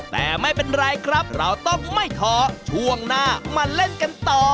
แต่ไม่เป็นไรครับเราต้องไม่ท้อช่วงหน้ามาเล่นกันต่อ